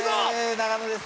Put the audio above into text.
永野です。